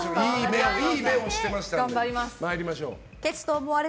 いい目をしてました。